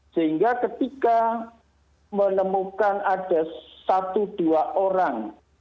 sehingga ketika menemukan ada satu dua orang